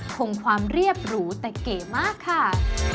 คงความเรียบหรูแต่เก๋มากค่ะ